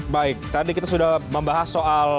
baik tadi kita sudah membahas soal